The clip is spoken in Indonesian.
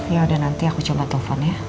ya udah nanti aku coba telepon ya